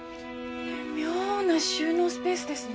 妙な収納スペースですね。